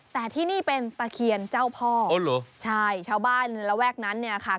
แต่ที่นี่เป็นตะเคียนเจ้าพ่ออ๋อเหรอใช่ชาวบ้านในระแวกนั้นเนี่ยค่ะ